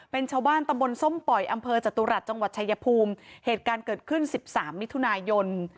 เป็นชาวบ้านตำบลส้มป่อยอำเภอจตุรัสจังหวัดชายภูมิเหตุการณ์เกิดขึ้นสิบสามมิถุนายน